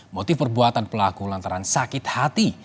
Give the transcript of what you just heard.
motif perbuatan pelaku lantaran sakit hati